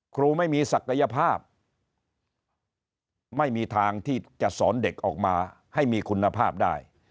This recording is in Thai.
ครูไม่มีศักยภาพไม่มีทางที่จะสอนเด็กออกมาให้มีคุณภาพได้